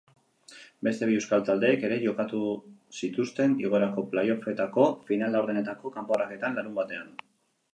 Beste bi euskal taldek ere jokatu zituzten igoerako playoffetako final-laurdenetako kanporaketan larunbatean.